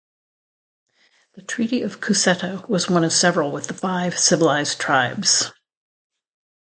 The Treaty of Cusseta was one of several with the Five Civilized Tribes.